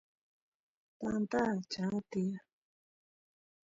tanta chaa tiyan